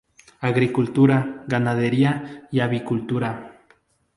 Agricultura, ganadería y avicultura.